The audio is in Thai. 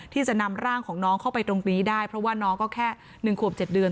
ที่จะนำร่างของน้องเข้าไปตรงนี้ได้เพราะว่าน้องก็แค่๑ขวบ๗เดือน